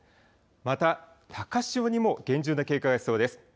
また高潮にも厳重な警戒が必要です。